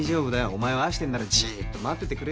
お前を愛してんならじっと待っててくれるって。